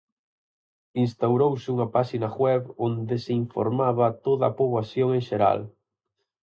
Instaurouse unha páxina web onde se informaba a toda a poboación en xeral.